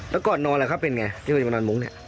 แล้วก่อนนอนล่ะเขาเป็นไงที่เราจะมานอนมุ้งเนี่ย